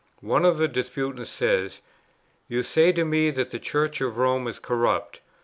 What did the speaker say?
One of the disputants says: "You say to me that the Church of Rome is corrupt.